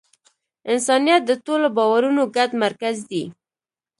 انسانیت د ټولو باورونو ګډ مرکز دی.